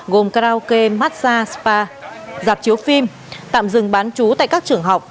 gồm karaoke massage spa dạp chiếu phim tạm dừng bán chú tại các trường học